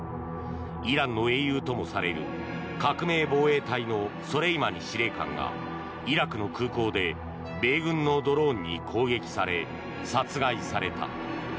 イランの英雄ともされる革命防衛隊のソレイマニ司令官がイラクの空港で米軍のドローンに攻撃され殺害された。